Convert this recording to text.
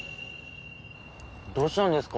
どうしたんですか？